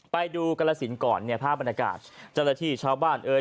ไปดูกรสินก่อนเนี่ยภาพบรรยากาศเจ้าหน้าที่ชาวบ้านเอ่ย